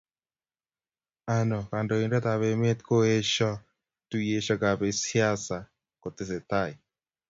oino, kandoindetab emet koieshoo tuiyeshekab siasa kotesetai